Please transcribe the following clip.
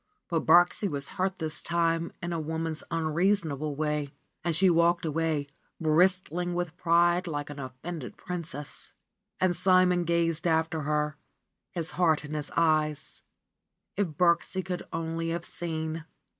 But Birksie was hurt this time in a woman's unreason able way, and she walked away, bristling with pride like an offended princess. And Simon gazed after her, his heart in his eyes ; if Birksie could only have seen.